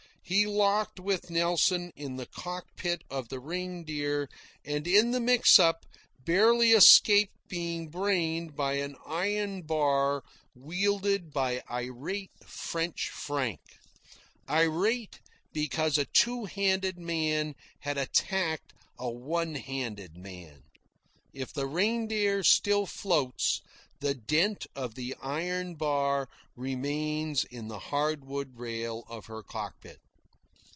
He locked with Nelson in the cockpit of the Reindeer, and in the mix up barely escaped being brained by an iron bar wielded by irate French Frank irate because a two handed man had attacked a one handed man. (If the Reindeer still floats, the dent of the iron bar remains in the hard wood rail of her cockpit.)